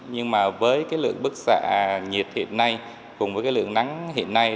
nhưng mà với lượng bức xạ nhiệt hiện nay cùng với lượng nắng hiện nay